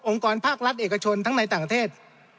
องค์กรภาครัฐเอกชนทั้งในต่างเทศ